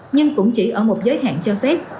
nhưng cũng chỉ ở một giới hạn cho phép